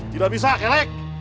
tidak bisa kelek